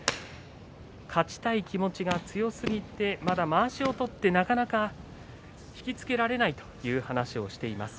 勝ちたい気持ちが強すぎてまだまわしを取ってなかなか引き付けられないという話をしています。